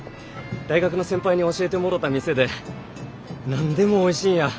大学の先輩に教えてもろた店で何でもおいしいんや。